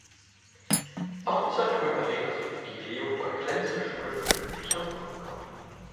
Auch die Saturn-Arena sowie die Leo-von-Klenze-Schule befinden sich am Brückenkopf.